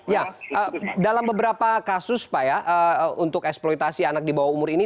ya dalam beberapa kasus pak ya untuk eksploitasi anak di bawah umur ini